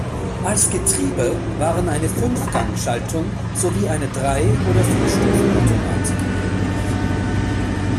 Als Getriebe waren eine Fünfgang-Schaltung sowie eine Drei- oder Vierstufen-Automatik erhältlich.